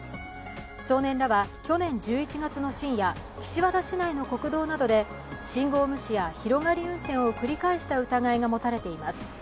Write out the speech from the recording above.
少年らは去年１１月の深夜岸和田市内の国道などで信号無視や広がり運転を繰り返した疑いが持たれています。